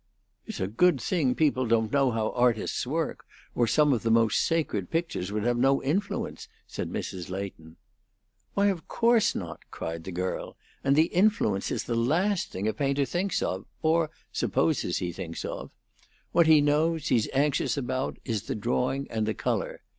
"It's a good thing people don't know how artists work, or some of the most sacred pictures would have no influence," said Mrs. Leighton. "Why, of course not!" cried the girl. "And the influence is the last thing a painter thinks of or supposes he thinks of. What he knows he's anxious about is the drawing and the color.